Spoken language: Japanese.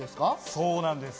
そうなんです。